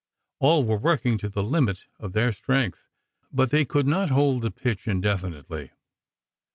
All were working to the limit of their strength, but they could not hold the pitch indefinitely.